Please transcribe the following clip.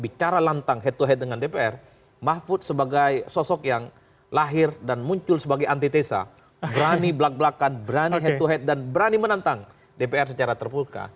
bicara lantang head to head dengan dpr mahfud sebagai sosok yang lahir dan muncul sebagai antitesa berani belak belakan berani head to head dan berani menantang dpr secara terpulka